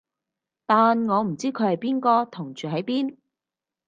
但我唔知佢係邊個同住喺邊